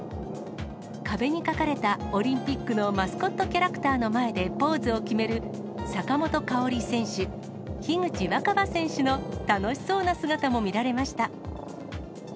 壁に描かれたオリンピックのマスコットキャラクターの前でポーズを決める、坂本花織選手、樋口新葉選手の楽しそうな姿も見られました。